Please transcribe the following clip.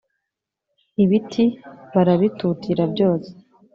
ibiti barabitutira byose